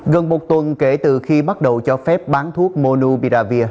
gần một tuần kể từ khi bắt đầu cho phép bán thuốc monubidavir